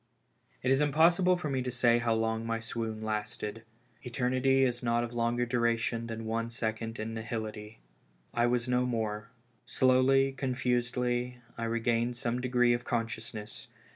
I T is impossible for me to say how long my swoon lasted. Eternity is not of longer duration than one second in nihility. I was no more. Slowly, confusedly, I regained some degree of consciousness.